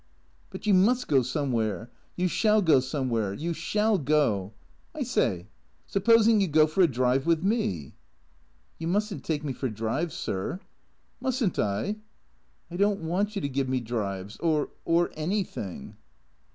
" But you must go somewhere. You sliall go somewhere. You shall go — I say, supposing you go for a drive with me ?"" You must n't take me for drives, sir." "Mustn't I?" " I don't want you to give me drives — or — or anything."